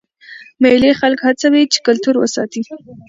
مېلې خلک هڅوي چې خپل کلتور وساتي.